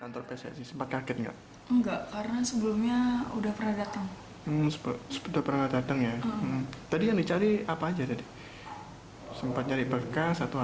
terus jadi jadi berkas gitu